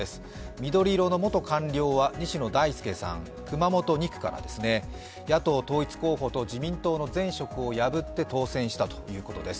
緑色の元官僚は西野太亮さん、熊本２区からですね野党統一候補と自民党の前職を破って当選したということです。